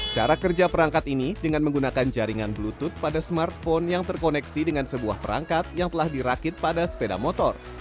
cara kerja perangkat ini dengan menggunakan jaringan bluetooth pada smartphone yang terkoneksi dengan sebuah perangkat yang telah dirakit pada sepeda motor